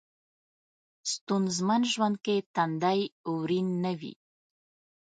ستونځمن ژوند کې تندی ورین نه وي.